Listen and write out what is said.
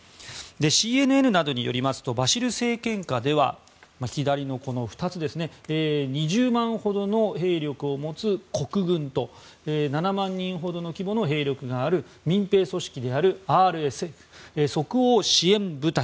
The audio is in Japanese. ＣＮＮなどによりますとバシル政権下では２０万ほどの兵力を持つ国軍と７万人ほどの規模の兵力がある民兵組織であるＲＳＦ・即応支援部隊。